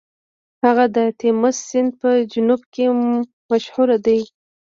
هغه د تیمس سیند په جنوب کې مشهور دی.